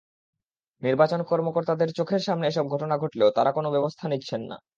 নির্বাচন কর্মকর্তাদের চোখের সামনে এসব ঘটনা ঘটলেও তাঁরা কোনো ব্যবস্থা নিচ্ছেন না।